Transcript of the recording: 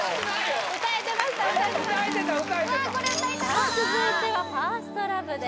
歌えてた歌えてたさあ続いては「ＦｉｒｓｔＬｏｖｅ」です